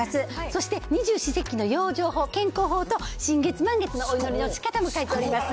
そして二十四節気の養生法、健康法と、新月、満月のお祈りのしかたも書いてあります。